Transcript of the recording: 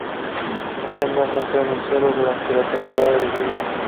Las hembras entran en celo durante la temporada de lluvias.